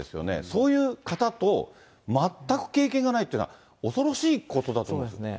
そういう方と、全く経験がないっていうのは恐ろしいことだと思うんですけど。